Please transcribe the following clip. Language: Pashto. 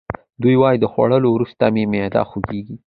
د دوا خوړولو وروسته مي معده خوږیږي.